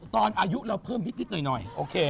ตอนอายุเราเพิ่มนิดหน่อยโอเค